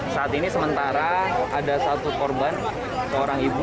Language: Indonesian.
saat ini sementara ada satu korban seorang ibu